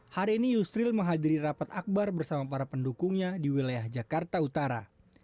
hari ini yusril menghadiri rapat akbar bersama para pendukungnya di wilayah jakarta utara